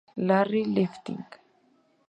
Larry Flynt".